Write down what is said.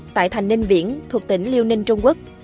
tại thành ninh viễn thuộc tỉnh liêu ninh trung quốc